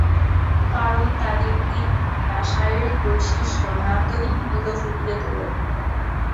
কারণ তাদের দীপ্তি বা শারীরিক বৈশিষ্ট্য নান্দনিক মূল্য ফুটিয়ে তোলে।